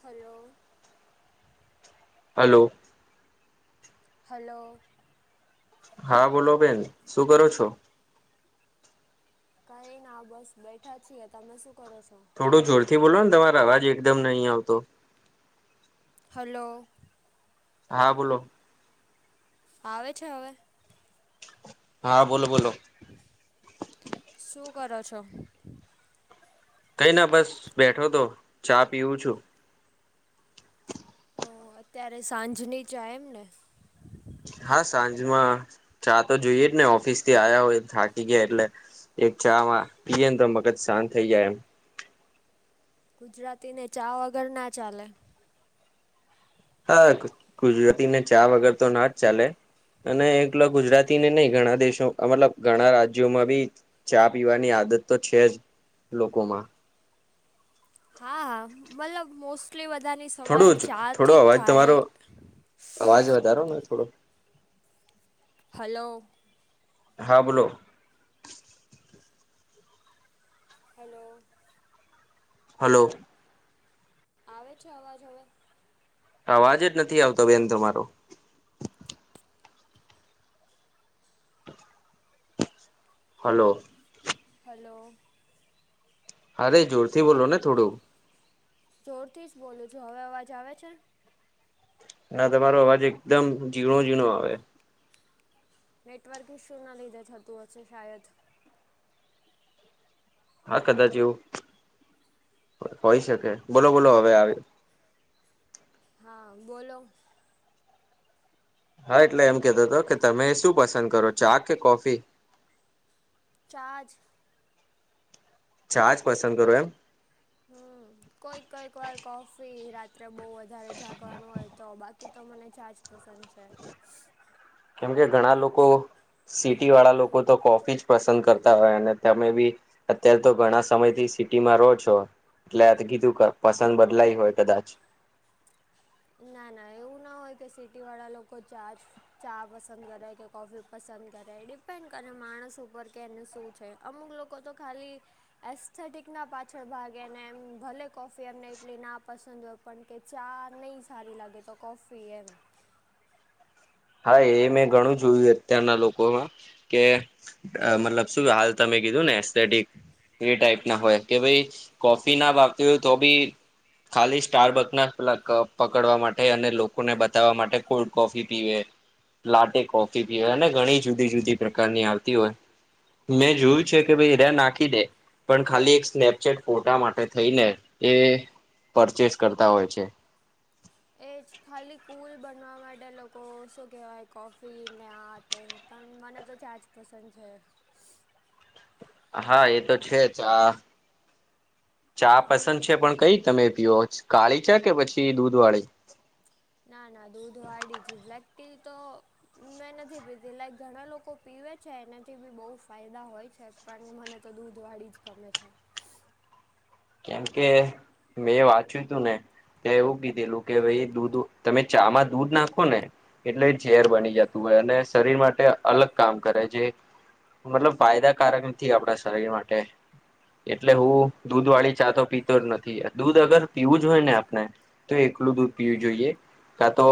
Hello. Hello. Hello. હા બોલો બેેન શું કરો છો. કઈ ના બસ બેઠા છીએ તમે શું કરો છો. થોડો જોરથી બોલો ને તમારો અવાજ એકદમ નહીં આવતો. હલો. હા બોલો. આવે છે હવે. હા બોલો બોલો શું કરો છો. કઈ ના બસ બેઠો તો ચા પીવું છું. ઓ અત્યારે સાંજની ચાય એમને. હા સાંજમાં ચાતો જોઈએ જ ને ઓફિસ થી આયા હોય થાકી ગયા એટલે એક ચા વા પીએને તો મગજ શાંત થઈ જાય એમ. ગુજરાતીને ચા વગર ના ચાલે. હા ગુજરાતી ને ચા વગર તો ના જ ચાલે. અને એકલો ગુજરાતી ને નઈ હમ ઘણા દેશો મતલબ ઘણા રાજ્યોમાં બી ચા પીવાની આદત તો છે જ લોકોમાં. હા મતલબ મોસ્ટલી બધાની સવાર થોડું જ ચા થોડો થી જ અવાજ થાય. તમારો અવાજ વધારો ને થોડો. હલો. હા બોલો. હલો. હલો. આવે છે અવાજ હવે. આવાજ જ નથી આવતો બેન તમારો હલો. હલો. અરે જોરથી બોલો હલો ને થોડું. જોરથી જ બોલું છું હવે અવાજ આવે છે. ના તમારો અવાજ એકદમ ઝીણો ઝીણો આવે. નેટવર્ક ઈશુ ના લીધે થતું હશે શાયદ હા કદાચ એવું હોય શકે બોલો બોલો હવે આવે. હા બોલો. હા એટલે એમ કતો હતો કે તમે શું પસંદ કરો ચા કે કોફી ચા જ. ચા જ પસંદ કરો એમ. હમ કોઈક કઈક વાર કોફી રાત્રે બહુ વધારે જાગવાનું હોય. તો બાકી તો મને ચા જ પસંદ છે. કેમકે ઘણા લોકો સિટી વાળા લોકો તો કોફી જ પસંદ કરતા હોય અને તમે બી અત્યારે તો ઘણા સમય થી સિટીમાં રહો છો. એટલે આ કીધું પસંદ બદલાય હોય કદાચ. ના ના એવું ના હોય કે સિટી વાળા લોકો ચા જ. ચા પસંદ કરે કે કોફી પસંદ કરે ડિપેન્ડ કરે માણસ ઉપર કે એને શું છે. અમુક લોકો તો ખાલી એસ્થેટિકના પાછળ ભાગે ને એમ ભલે કોફી એમને ઇટલી ના પસંદ હોય પણ કે ચા નહી સારી લાગે તો કોફી એમ હા એ મેં ઘણું જોયું અત્યારના લોકોમાં કે મતલબ શું હાલ તમે કીધું ને? એસલેટિક એ ટાઈપ ના હમ હોય કે ભાઈ કોફી ના ભાવતી હોય તો બી ખાલી સ્ટાર બકના પેલા કપ પકડવા માટે અને લોકોને બતાવવા માટે કોલ્ડ કોફી પીવે. લાટી કોફી પીવે ને ઘણી જુદી જુદી પ્રકારની આવતી હોય. મેં હમ જોયું છે કે ભાઈ હરા નાખી દે પણ ખાલી એક સ્નેપચેટ ફોટા માટે થઈને એ પરચેસ કરતા હોય છે. એ જ ખાલી કૂલ બનવા માટે લોકો શું કહેવાય કોફીને આ તે પણ મને તો ચાજ પસંદ છે. હા એ તો છે. ચા ચા હમ પસંદ છે પણ કઈ તમે? પી કાળી છે કે પછી દૂધ વાળી? ના ના દૂધ વાડી જ બ્લેક ટી તો મેં નથી પીતી લાઈક ઘણા લોકો પીવે છે, એનાથી બી બહુ ફાયદા હોય છે. પણ મને તો દૂધવાળી જ ગમે છે. કેમ કે મેં વાંચ્યું તું ને તો એવું કીધેલું, કે ભાઈ દૂધ તમે ચામાં દૂધ નાખો ને એટલે ઝેર હમ બની જતો હોય અને શરીર માટે અલગ કામ કરે, જે મતલબ ફાયદાકારક નથી આપડા શરીર માટે, એટલે હું દૂધ વાળી ચા તો પીતો જ નથી. દૂધ અગર પીવું જ હોય ને આપણે તો એકલું હમ દૂધ પીવું જોઈએ. કા તો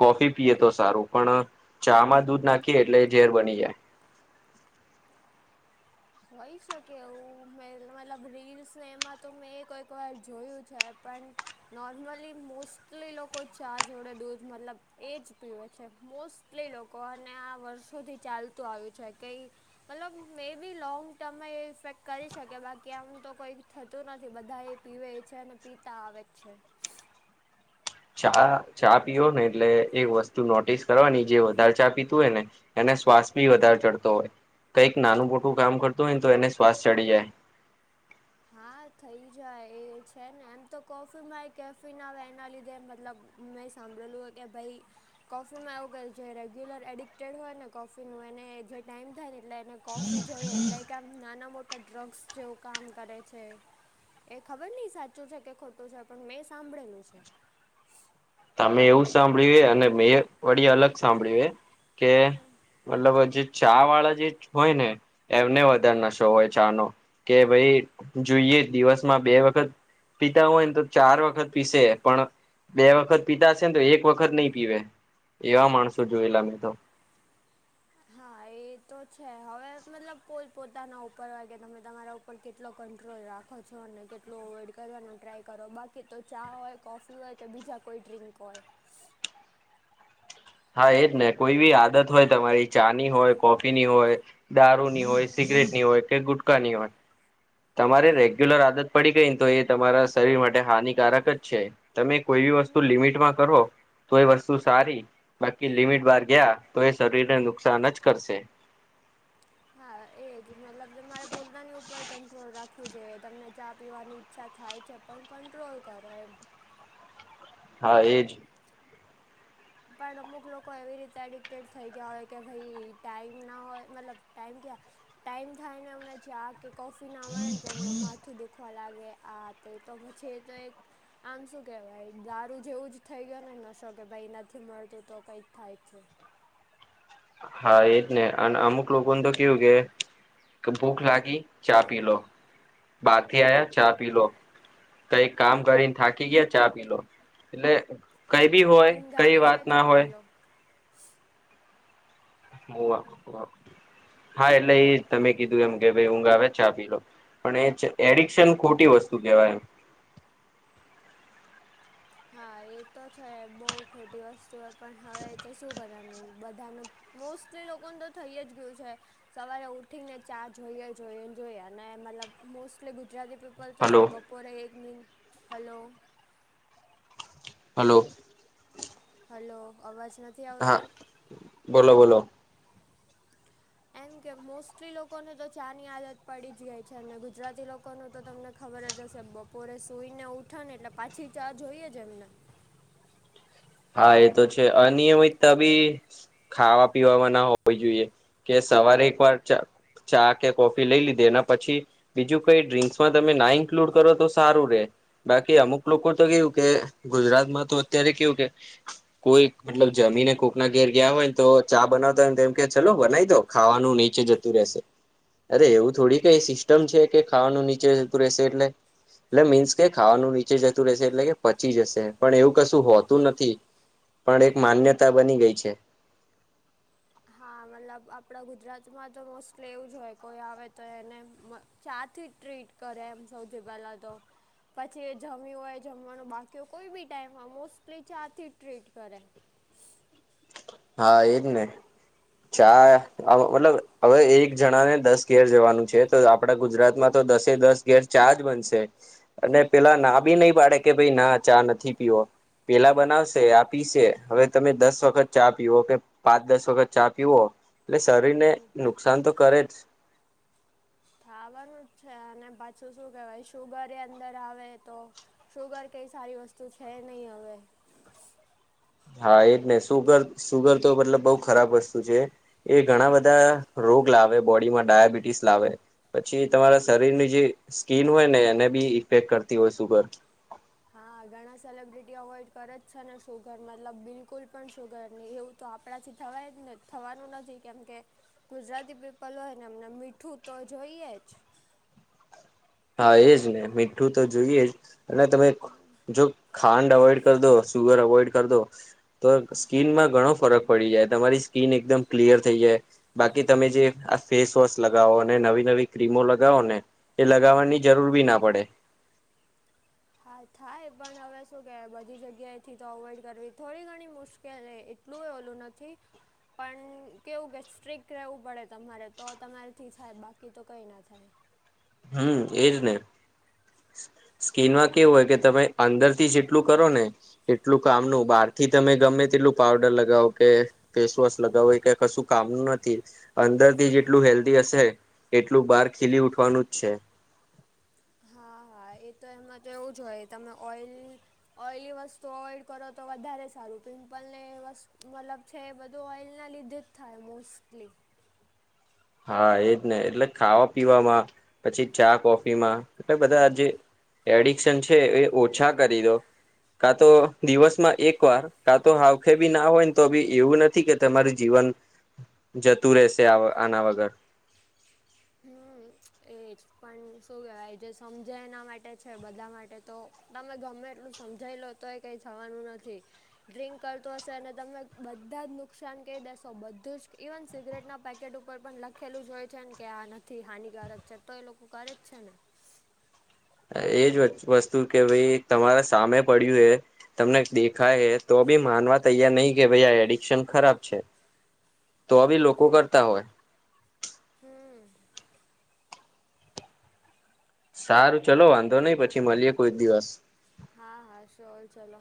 કોફી પીએ તો સારું પણ ચા માં દૂધ નાખીએે એટલે એ ઝેર બની જાય. હોઈ શકે એવું મે મતલબ રીલ્સને એમાં તો મેં એક એક વાર જોયું છે પણ નોર્મલી મોસ્ટલી લોકો ચા જોડે દૂધ મતલબ એ જ પીવે છે. મોસ્ટ કેટલી લોકો અને આ વર્ષોથી ચાલતું આવ્યું છે કઈ મતલબ મે એ બી લોંગ ટર્મમાં એ ઇફેક્ટ કરી શકે બાકી આમ તો કોઈ થતું નથી બધા એ પીવે છે અને પી તા આવે જ છે. ચા ચા પીઓ ને એટલે એક વસ્તુ નોટિસ કરવાની જે વધારે ચા પીતું હોય ને, એને શ્વાસ બી વધારે ચડતો હોય કંઈક નાનું મોટું કામ કરતું હોય ને તો એને શ્વાસ ચડી જાય. હા થઈ જાય એ છે ને એમ તો કોફીમાંય કેફી ના આવે એના લીધે મતલબ મેં સાંભળેલું કે ભાઈ કોફીમાં એવું ક જે રેગ્યુલર એડિક્ટેડ હોય ને કોફીનું એને જે ટાઈમ થાય ને એટલે એને કોફી જોઈએ લાય કે આમ નાના મોટા ડ્રગ્સ જેવું કા આમ. કરે છે એ ખબર નહ સાચું છે કે ખોટું છે પણ મેં સાંભળેલું છે. તમે એવું સાંભળ્યું અને મે વડી અલગ સાંભળ્યું કે મતલબ જે ચા વાળા જે હોય ને એમને હમ વધારે નશો હોય ચા નો કે ભાઈ જોઈએ દિવસમાં બે વખત પીતા હોય ને તો ચાર વખત પીસે પણ બે વખત પીતા છે ને તો એક વખત નહી પીવે એવા માણસો જોયેલા મેં તો. હા એ તો છે. હવે મતલબ પોત પોતાના ઉપર વાગે તમે તમારા ઉપ પણ કેટલો કંટ્રોલ રાખો છો અને કેટલું અવોઈડ કરવાનું ટ્રાય કરો, બાકી તો ચા હોય કોફી હોય કે બીજા કોઈ ડ્રીક હોય. હા એજ ને કોઈ બી આદત હોય તમારી ચા ની હોય કોફી ની હોય દારૂ ની હોય સિગરેટ ની હોય કે ગુટકા ની હોય તમારે હમ રેગ્યુલર આદત પડી ગઈને તો એ તમારા શરીર માટે હાનિકારક જ છે. તમે કોઈ બી વસ્તુ હમ લિમિટમાં કરો તો એ વસ્તુ સારી બાકી લિમિટ બાર ગયા તો એ શરીરને નુકસાન જ કરશે. હા એ જ મતલબ તમારે પોતાની ઉપર કંટ્રોલ રાખવું જોઈએ, તમને ચા પીવાની ઈચ્છા થાય છે. પણ કંટ્રોલ કરો એમ. હા એજ પણ અમુક લોકો એવી રીતે એડિક્ટેડ થઈ ગયા હોય કે, ભાઈ ટાઈમ ના હોય મતલબ, ટાઈમ ક્યાં? ટાઈમ થાય ને એમને જ કે કોફી ના મળે ને એમનું માથું દુખ [unintelligible] લાગે આ તે તો પછી એ તો એક આમ શું કહેવાય, દારૂ જેવું જ થઈ ગયો ને નશો કે ભાઈ [unintelligible] નથી મળતું તો કંઈક થાય જ છે. હા એજ ને. અને અમુક લોકોને તો કેવું કે કે ભૂખ લાગી ચા પી લો. બારથી આયા ચા પી લો, તો એક કામ કરીને થાકી ગયા ચા પી લો. એટલે કંઈ બી હોય, ઊંઘ કંઈ આવે વાત છે ના ચા હોય પી લો [unintelligible] હા એટલે ઈ જ, તમે કીધું એમ કે ભાઈ ઊંઘ આવે ચા પી લો, પણ એ જ એડિક્શન ખોટી વસ્તુ કહેવાય એમ. હા એ તો છે. બહું ખોટી વસ્તુ હે પણ હવે એ તો શું કરવાનું. બધાનું મોસ્ટલી લોકોને તો થઈ જ ગયું છે સવારે ઉઠી ને ચા જોઈએ, જોઈએ ને જોઈએ, અને મતલબ મોસ્ટલી ગુજરાતી પીપલ તો છે હલો ને બપોરે એક નીંદ, હલો? હલો. હલો, અવાજ નથ હા, બોલો-બોલો. એમ કે મોસ્ટલી લોકોને તો ચા ની આદત પડી જ ગઈ છે, અને ગુજરાતી લોકોનું તો તમને ખબર જ હશે, બપોરે સુઈ ને ઉઠા ને એટલે પાછી ચા જોઈએ જ એમને. હા એ તો છે. અનિયમિતા બી ખાવા પીવાવામાં ના હોવી જોઈએ, કે સવારે એક વાર ચા ચા કે કોફી લઈ લીધી એના પછી બીજું કઈ ડ્રિંક્સમાં તમે ના ઇન્ક્લુડ કરો તો સારું રહે. બાકી અમુક લોકો તો કેવું કે, ગુજરાતમાં તો અત્યારે કેવું કે કોઈ મતલબ જમીને કોકના ઘેર ગયા હોય ને તો ચા બનાવતા હોય તો એમ કેય ચલો બનાવઈ દો, ખાવાનું નીચે જ તું રહેશે. અરે એવું થોડી કઈ સિસ્ટમ છે, કે ખાવાનું નીચે જતું રહેશે એટલે એટલે મીન્સ કે ખાવાનું નીચે જતું રહેશે એટલે કે પચી જશે, પણ એવું કશું હોતું નથ થી. પણ એક માન્યતા બની ગઈ છે. હા મતલબ આપણા ગુજરાતમાં તો મોસ્ટલી એવું જ હોય કોઈ આવે તો એને મ ચા થી જ ટ્રીટ કરે એમ સૌથી પહેલાં તો. પછી એ જમ્યું હોય, જમવાનું બાકી હોય કોઈ બી ટાઈમ માં મોસ્ટલી ચા થી જ ટ્રીટ કરે. હા એજ ને. ચા આવ મતલબ હવે એક જણા ને દસ ઘેર જવાનું છે, તો આપડા ગુજરાતમાં તો દસે દસ ઘેર ચા જ બનશે. અને પેલા ના બી નહીં પાડે કે ભાઈ ના ચા નથી પીવો. પહેલા બનાવશે, આ પીસે. હવે તમે દસ વખત ચા પીવો કે પાંચ દસ વખત ચા પીવો, એટલે શરીર ને નુકસાન તો કરે જ. થાવાનું જ છે, અને પાછું શું કેહેવાય શુગર એય અંદર આવે તો શુગર કંઈ સારી વસ્તુ છે નહીં હવે. હા એજ ને. સુગર-સુગર તો મતલબ બહું ખરાબ વસ્તુ છે. એ ઘણા હા બધા રોગ લાવે બોડીમાં, ડાયાબિટીસ લાવે, પછી તમારા શરીરની જે સ્કીન હોય ને એને બી ઇફેક્ટ કરતી હોય સુગર. હા, ઘણા સેલિબ્રિટી અવોઈડ કરે જ છે ને શુગર, મતલબ બિલકુલ પણ શુગર નહીં એવું તો આપણા થી થવાય જ ને, થવાનું નથી કેમ કે ગુજરાતી પીપલ હોય ને એમને મીઠું તો જોઈએ જ. હા એજ ને. મીઠું તો જોઈએ જ, અને તમે જો ખાંડ અવોઈડ કર દો, સુગર અવોઇડ કર દો, તો સ્કીનમાં ઘણો ફરક પડી જાય. તમારી સ્કીન એકદમ ક્લિયર થઈ જાય. બાકી તમે જે આ ફેસવોશ લગાવો અને નવી-નવી ક્રીમો લગાવો ને એ લગાવવાની જરૂર બી ના પડે. હા થાય પણ હવે શું કહેવાય બધી જગ્યાએથી તો અવોઈડ કરવી થોડી ઘણી મુશ્કેલ એ ટલુંય ઓલું નથી. પણ કેવું કે સ્ટ્રક રહેવું પડે તમારે તો તમારીથી થાય બાકી તો કંઈ ના થાય. હમ એજ ને. સ્કીનમાં કેવું હોય કે તમે અંદર થી જેટલું કરો ને એટલું કામનું બહાર થી તમે ગમે તેટલું પાવડર લગાવ કે ફેસ વોશ લગાવ એ ક કશું કામનું નથી અંદર થી જેટલું હેલ્ધી હશે. એટલું બાર ખીલી ઉઠવાનું જ છે. હા હા એ તો એમમાં તો એવું જ હોય તમે ઓઈલ. ઓઈલી વસ્તુ અવોઈડ કરો તો વધારે સારું પિમ્પલ ને મતલબ છે એ બધું ઓઇલના લીધે જ થાય મોસ્ટલી હા એજ ને એટલે ખાવા પીવામાં પછી ચા કોફી માં એટલે બધા આજે એડિક્શન છે એ ઓછા કરી દો કા તો દિવસમાં એક વાર કા તો હાવખે બી ના હોયને તો બી એવું નથી કે તમારું જીવન જતું રહેશે આના વગર. હમ એ જ. પણ શું કેવાય જે સમજે એના માટે છે બધા માટે તો તમે ગમે એટલું સમજાઈ લો તોય કઈ જવાનું નથી, ડ્રિંક કરતો હશે અને તમે બધા જ નુકસાન કહી દેશો બધું જ ઇવન સિગરેટના પેકેટ ઉપર ઉપ પણ લખેલું જ હોય છે ને કે આ નથી હાનિકારક છે તો એ લોકો કરે જ છે ને એજ વસ્તુ કે ભાઈ તમારા સામે પડ્યું એ તમને ખાય તો બી માનવા તૈયાર નહીિ કે ભાઈ આ એડિક્શન ખરાબ છે. તો એ બી લોકો છે એ જ કરતા હોય. હમ સારું ચલો વાંધો નહી પછી મળીએ કોઈ દિવસ. હા હા શ્યોર ચલો.